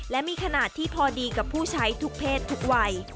และมีขนาดที่พอดีกับผู้ใช้ทุกเพศทุกวัย